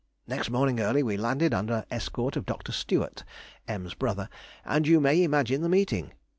Next morning early we landed under escort of Dr. Stewart, M.'s brother, and you may imagine the meeting.